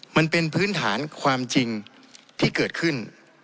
มันเป็นพื้นฐานความจริงที่เกิดขึ้น